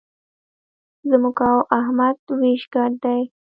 زموږ او احمد وېش ګډ دی.